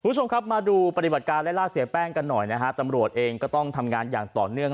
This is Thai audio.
คุณผู้ชมครับมาดูปฏิบัติการไล่ล่าเสียแป้งกันหน่อยนะฮะตำรวจเองก็ต้องทำงานอย่างต่อเนื่อง